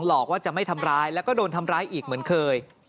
หลอกว่าจะไม่ทำร้ายแล้วก็โดนทำร้ายอีกเหมือนเคย